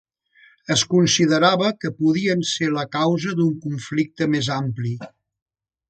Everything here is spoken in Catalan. Es considerava que podien ser la causa d'un conflicte més ampli.